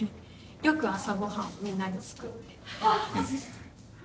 よく朝ご飯をみんなに作って。